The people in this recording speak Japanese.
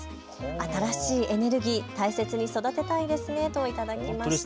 新しいエネルギー、大切に育てたいですねと頂きました。